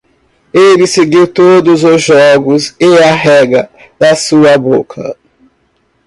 Ele seguiu todos os jogos e a rega da sua boca.